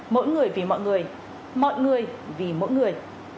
mỗi người vì mọi người mọi người vì mỗi người